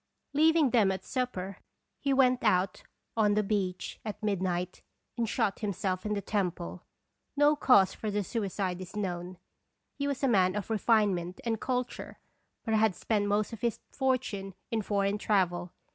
Leaving them at supper, he went out on the beach at midnight, and shot himself in the temple. No cause for the suicide is known. He was a man of refine ment and culture, but had spent most of his fortune in foreign travel.